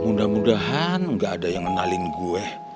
mudah mudahan gak ada yang kenalin gue